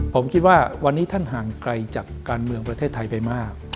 ผมคิดว่าวันนี้ท่านห่างไกลจากการเมืองประเทศไทยไปมาก